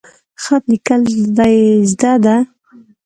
خط لیکل د زده ده؟